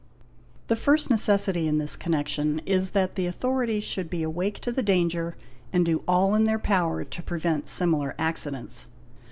The first necessity in this connection is that the authorities should be awake to the danger and do all in their power to prevent similar accidents.